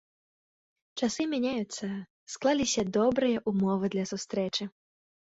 Часы мяняюцца, склаліся добрыя ўмовы для сустрэчы.